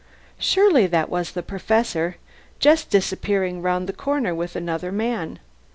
Surely that was the Professor, just disappearing round the corner with another man?